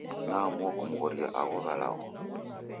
Naamua kumghoria agho walagho.